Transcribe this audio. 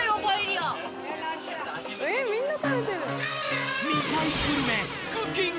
えっみんな食べてる。